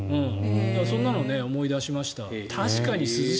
そんなの思い出しました。